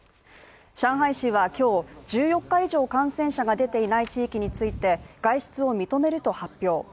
上海市は今日、１４日以上感染者が出ていない地域について外出を認めると発表。